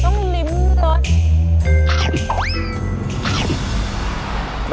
ต้องมีริมละ